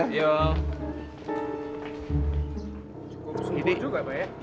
cukup sempur juga ya pak ya